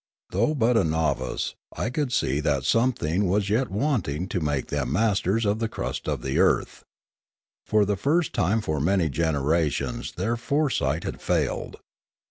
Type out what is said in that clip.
Though but a novice, I could see that something was yet wanting to make them masters of the crust of the earth. For the first time for many generations their foresight had failed.